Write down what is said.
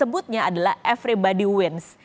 sebutnya adalah everybody winds